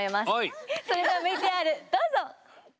それではＶＴＲどうぞ！